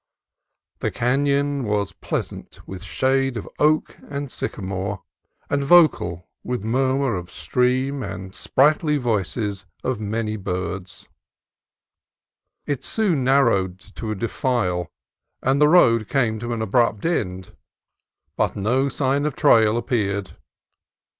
The canon was pleasant with shade of oak and sycamore, and vocal with murmur of stream and sprightly voices of many birds. It soon narrowed to a defile, and the road came to an abrupt end, but 68 CALIFORNIA COAST TRAILS no sign of trail appeared.